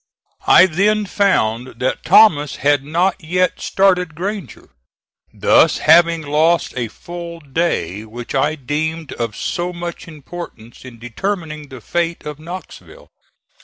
I then found that Thomas had not yet started Granger, thus having lost a full day which I deemed of so much importance in determining the fate of Knoxville.